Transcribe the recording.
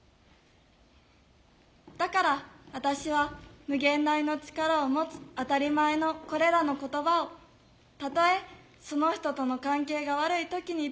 だから私は無限大の力を持つ当たり前のこれらの言葉をたとえその人との関係が悪い時にでも必ず伝えていこうと思います。